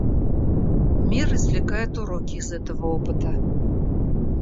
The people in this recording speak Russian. Мир извлекает уроки из этого опыта.